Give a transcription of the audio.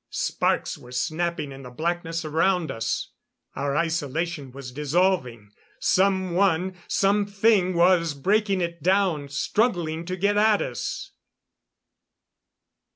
Sparks were snapping in the blackness around us. Our isolation was dissolving. Someone something was breaking it down, struggling to get at us!